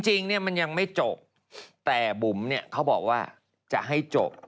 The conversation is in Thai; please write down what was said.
จริงเนี่ยมันยังไม่จบแต่บุ๋มเนี่ยเขาบอกว่าจะให้จบ